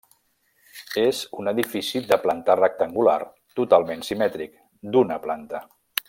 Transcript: És un edifici de planta rectangular totalment simètric, d'una planta.